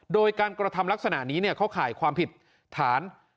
โดยการกระทำลักษณะนี้เข้าข่ายความผิดฐาน